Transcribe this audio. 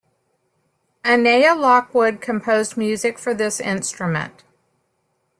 Annea Lockwood composed music for this instrument.